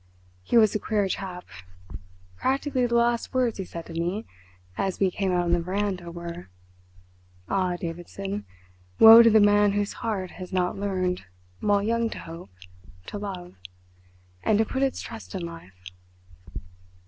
He was a queer chap. Practically the last words he said to me, as we came out on the veranda, were: "'Ah, Davidson, woe to the man whose heart has not learned while young to hope, to love and to put its trust in life!'